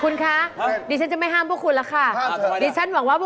น่าสัมผัสมาก